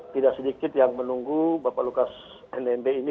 tidak sedikit yang menunggu bapak lukas nmb ini